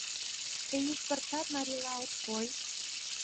Тый ик пырчат марийла от кой.